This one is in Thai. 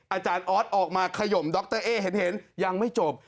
อาจารย์ออสออกมาขยมดรเอ๊เห็นยังไม่จบ